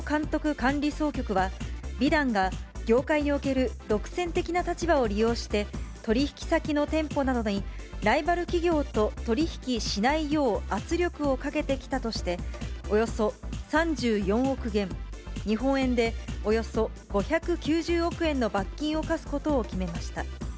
管理総局は美団が業界における独占的な立場を利用して、取り引き先の店舗などにライバル企業と取り引きしないよう圧力をかけてきたとして、およそ３４億元、日本円でおよそ５９０億円の罰金を科すことを決めました。